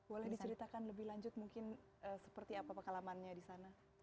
boleh diceritakan lebih lanjut mungkin seperti apa pengalamannya di sana